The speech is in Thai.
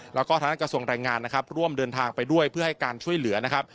แล้วก็ทางด้านกระทรวงแรงงานนะครับร่วมเดินทางไปด้วยเพื่อให้การช่วยเหลือนะครับ